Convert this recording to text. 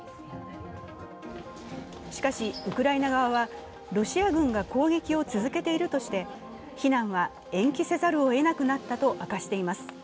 しかし、ウクライナ側はロシア軍が攻撃を続けているとして避難は延期せざるをえなくなったと明かしています。